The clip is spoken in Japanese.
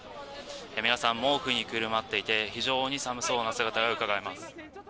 皆さん、毛布にくるまっていて非常に寒そうな姿がうかがえます。